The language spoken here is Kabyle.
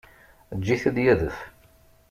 Eǧǧ-it ad d-yadef.